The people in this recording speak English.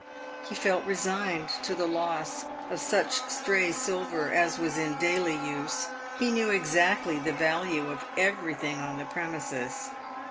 He felt resigned to the loss of such stray silver as was in daily use. He knew exactly the value of everything on the premises.